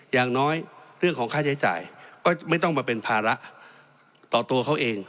อย่างน้อยเรื่องของค่าใช้จ่ายก็ไม่ต้องมาเป็นภาระต่อตัวเขาเอง